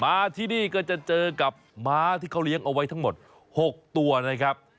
มาที่นี่ก็จะเจอกับม้าที่เขาเลี้ยงเอาไว้ทั้งหมด๖ตัวนะครับ